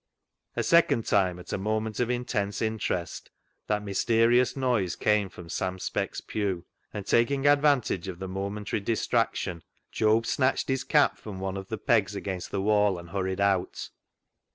A second time, at a moment of intense interest, that mysterious noise came from Sam Speck's pew, and taking advantage of the momentary distraction. Job snatched his cap from one of the pegs against the wall and hurried out.